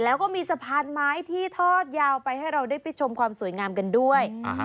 และมีสะพานไม้ที่ทอดยาวให้เราปิดชมความสวยงามกันด้วย